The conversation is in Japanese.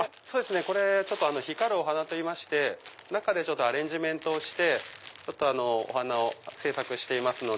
これ光るお花といいまして中でアレンジメントしてお花を制作していますので。